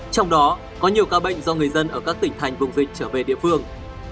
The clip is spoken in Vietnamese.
trong đó có nhiều ca bệnh do người dân ở các tỉnh thành vùng dịch trở về địa phương